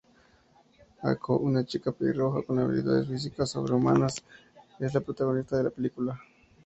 A-ko, una chica pelirroja con habilidades físicas sobrehumanas, es la protagonista de la película.